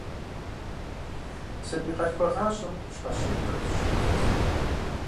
Сабий къалъхуагъащӏэм къупщхьэ щитӏрэ блыщӏрэ иӏэщ.